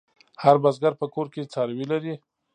هر بزگر په کور کې څاروي لري.